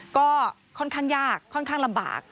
ก็ค่อนข้างยากค่อนข้างลำบาก